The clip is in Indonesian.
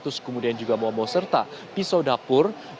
terus kemudian juga bomo serta pisau dapur